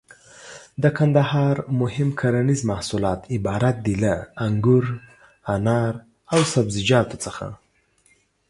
د کندهار مهم کرنيز محصولات عبارت دي له: انګور، انار او سبزيجاتو څخه.